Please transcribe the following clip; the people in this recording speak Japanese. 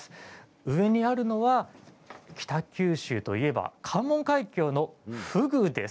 上にあるのは北九州といえば関門海峡のふぐです。